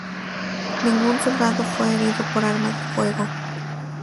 Ningún soldado fue herido por arma de fuego.